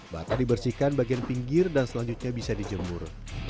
bata dibersihkan bagian pinggir dan selanjutnya bisa dijemur